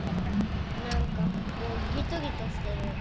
なんかここギトギトしてる。